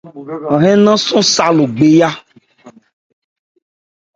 An hɛ́n nnɛn yɔ́n sâ Logbe a.